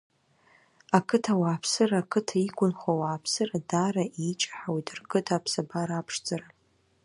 Ақыҭа ауааԥсыра ақыҭа иқәынхо ауааԥсыра даара еиҷаҳауеит рқыҭа аԥсабара аԥшӡара.